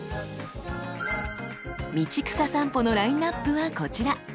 「道草さんぽ」のラインナップはこちら。